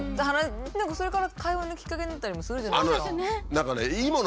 何かそれから会話のきっかけになったりもするじゃないですか。